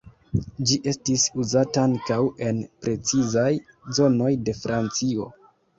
Ĝi estis uzata ankaŭ en precizaj zonoj de Francio.